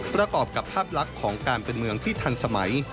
ประกอบกับภาพลักษณ์ของการเป็นเมืองที่ทันสมัย